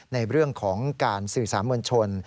ในเรื่องของการสื่อสารมวลชน